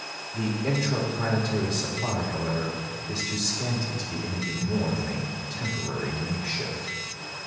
The "intra planetary" supply, however, is too scanty to be anything more than a temporary makeshift.